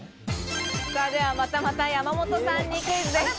では、またまた山本さんにクイズです。